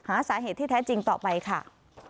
หาสาเหตุที่แท้จริงต่อไปค่ะ